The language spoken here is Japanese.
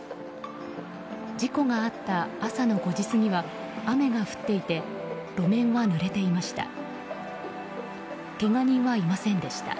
事故があった朝の５時過ぎは雨が降っていて路面はぬれていました。